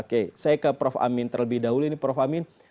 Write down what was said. oke saya ke prof amin terlebih dahulu ini prof amin